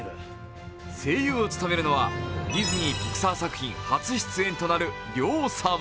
声優を務めるのはディズニー＆ピクサー作品初出演となるりょうさん。